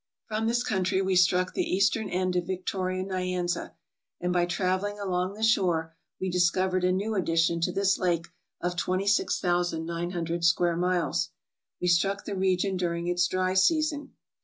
From this country we struck the eastern end of Victoria Nyanza, and by traveling along the shore we discovered a new addition to this lake of 26,900 square miles. We struck the region during its dry season.